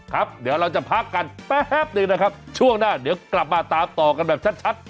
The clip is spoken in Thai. ครับเดี๋ยวเราจะพักกันแป๊บหนึ่งนะครับช่วงหน้าเดี๋ยวกลับมาตามต่อกันแบบชัด